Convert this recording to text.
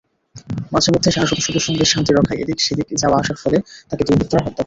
মাঝেমধ্যে সেনাসদস্যদের সঙ্গে শান্তি রক্ষায় এদিক-সেদিক যাওয়া-আসার ফলে তাকে দুর্বৃৃত্তরা হত্যা করে।